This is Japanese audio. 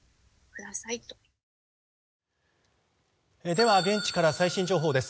では、現地から最新情報です。